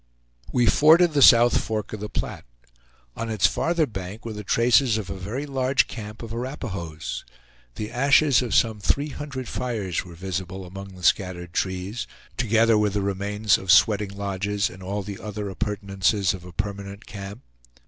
We forded the South Fork of the Platte. On its farther bank were the traces of a very large camp of Arapahoes. The ashes of some three hundred fires were visible among the scattered trees, together with the remains of sweating lodges, and all the other appurtenances of a permanent camp.